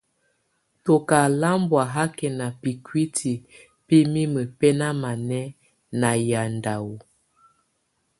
Tɔka lámbɔ́a hákɛna bíkuítí bɛ mimə bɛnámanɛ́ na yanda ɔ́h.